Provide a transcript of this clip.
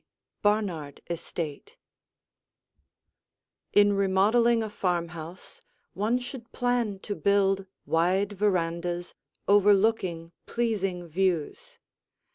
BARNARD ESTATE In remodeling a farmhouse, one should plan to build wide verandas, overlooking pleasing views.